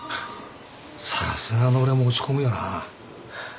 さすがの俺も落ち込むよな。